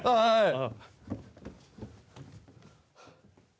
はい。